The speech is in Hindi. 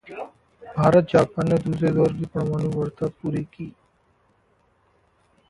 भारत-जापान ने दूसरे दौर की परमाणु वार्ता पूरी की